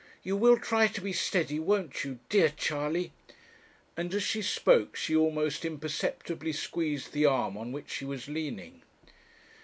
you will try to be steady, won't you, dear Charley?' and as she spoke she almost imperceptibly squeezed the arm on which she was leaning.